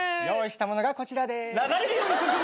用意したものがこちらです。